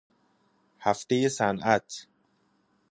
هفته صنعت